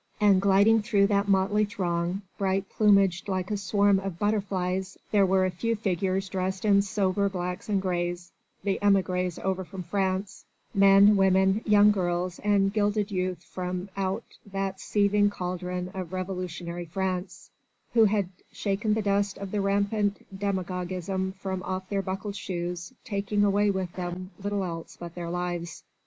And gliding through that motley throng, bright plumaged like a swarm of butterflies, there were a few figures dressed in sober blacks and greys the émigrés over from France men, women, young girls and gilded youth from out that seething cauldron of revolutionary France who had shaken the dust of that rampant demagogism from off their buckled shoes, taking away with them little else but their lives.